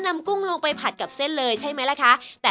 กุ้งลงไปผัดกับเส้นเลยใช่ไหมล่ะคะ